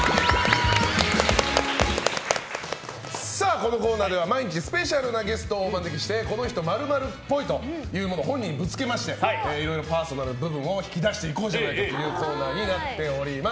このコーナーでは毎日スペシャルなゲストをお招きしてこの人○○っぽいというものを本人にぶつけましていろいろパーソナルな部分を引き出していこうというコーナーになっております。